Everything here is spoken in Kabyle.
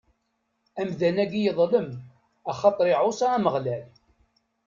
Amdan-agi yeḍlem, axaṭer iɛuṣa Ameɣlal.